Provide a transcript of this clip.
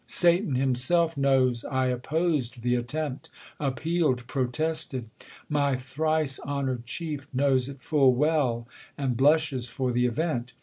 Satan himself knows I oppos'd th' attempt, AppcaPd, protested ; my thrice honor'd chief Knows it full well, and blushes for th' event.